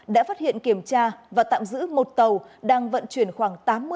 đã phát hiện kiểm tra và tạm giữ một tàu đang vận chuyển khoảng tám mươi